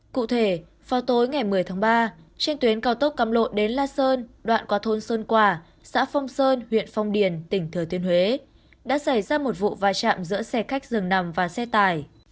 cụ thể vào tối ngày một mươi tháng ba trên tuyến cao tốc cam lộ đến la sơn đoạn qua thôn sơn quả xã phong sơn huyện phong điền tỉnh thừa thiên huế đã xảy ra một vụ va chạm giữa xe khách dường nằm và xe tải